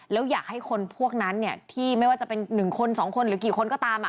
แล้วอยากให้คนพวกนั้นที่ไม่ว่าจะเป็น๑คน๒คนหรือกี่คนก็ตาม